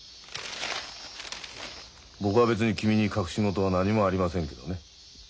僕は別に君に隠し事は何もありませんけどね。